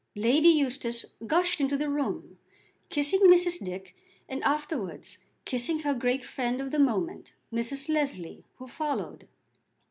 Lady Eustace gushed into the room, kissing Mrs. Dick and afterwards kissing her great friend of the moment, Mrs. Leslie, who followed.